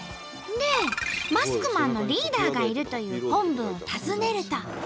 でマスクマンのリーダーがいるという本部を訪ねると。